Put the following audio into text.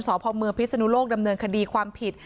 สพเมืองพิศนุโลกดำเนินคดีความผิด